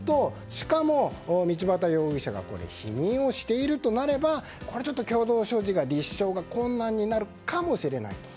しかも、道端容疑者が否認をしているとなればこれは共同所持の立証が困難になるかもしれないと。